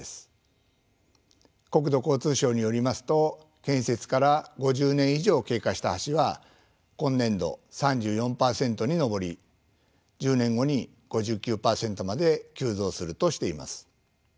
国土交通省によりますと建設から５０年以上経過した橋は今年度３４％に上り１０年後に５９％まで急増するとしています。